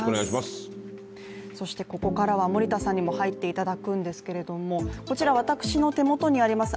そしてここからは森田さんにも入っていただくんですが私の手元にあります